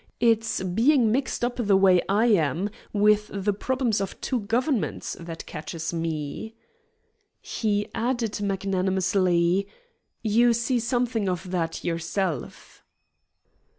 It's being mixed up the way I am with the problems of two governments that catches me." He added magnanimously, "You see something of that yourself."